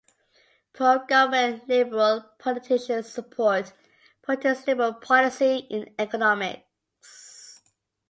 Pro-government liberal politicians support Putin's liberal policy in economics.